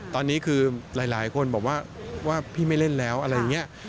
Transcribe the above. ตอนนี้คือหลายคนบอกว่าพี่ไม่เล่นแล้วอะไรอย่างนี้